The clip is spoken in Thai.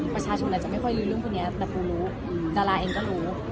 ประชาชนอาจจะไม่ค่อยรู้เรื่องคนนี้แต่ปูรู้ดาราเองก็รู้